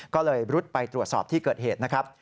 ก็เลยรุดไปตรวจสอบที่เกิดเหตุนะครับ